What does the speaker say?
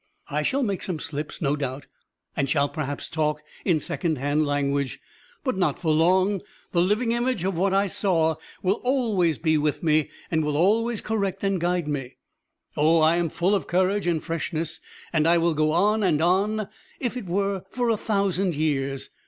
I shall make some slips no doubt, and shall perhaps talk in second hand language, but not for long: the living image of what I saw will always be with me and will always correct and guide me. Oh, I am full of courage and freshness, and I will go on and on if it were for a thousand years!